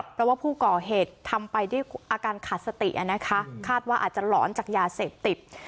เพราะว่าผู้ก่อเหตุทำไปด้วยอาการขาดสตินะคะคาดว่าอาจจะหลอนจากยาเสพติด